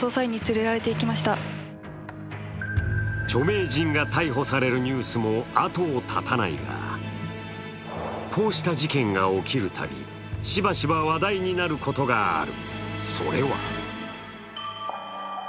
著名人が逮捕されるニュースも後を絶たないがこうした事件が起きるたびしばしば話題になることがある。